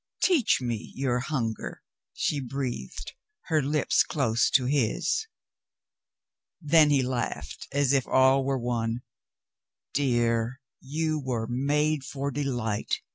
"Teach me your hunger," she breathed, her lips close to his. Then he laughed as if all were won. "Dear, you were made for delight.